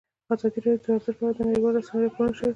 ازادي راډیو د ورزش په اړه د نړیوالو رسنیو راپورونه شریک کړي.